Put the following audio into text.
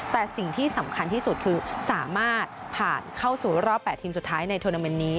แต่สิ่งที่สำคัญที่สุดคือสามารถผ่านเข้าสู่รอบ๘ทีมสุดท้ายในโทรนาเมนต์นี้